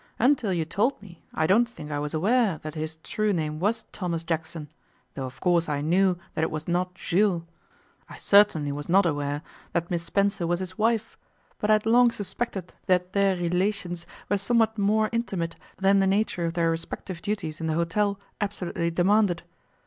'Until you told me, I don't think I was aware that his true name was Thomas Jackson, though of course I knew that it was not Jules. I certainly was not aware that Miss Spencer was his wife, but I had long suspected that their relations were somewhat more intimate than the nature of their respective duties in the hotel absolutely demanded.